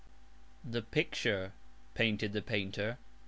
The picture painted the painter.